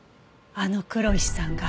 あの黒石さんが。